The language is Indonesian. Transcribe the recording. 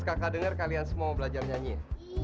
kakak dengar kalian semua belajar nyanyi ya